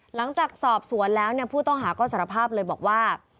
หลังจากสอบสวนแล้วผู้ต้องหาก็สารภาพเลยบอกว่า